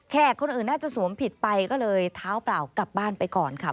คนอื่นน่าจะสวมผิดไปก็เลยเท้าเปล่ากลับบ้านไปก่อนค่ะ